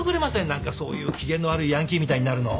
何かそういう機嫌の悪いヤンキーみたいになるの。